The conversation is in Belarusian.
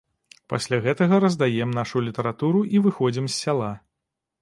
Пасля гэтага раздаем нашу літаратуру і выходзім з сяла.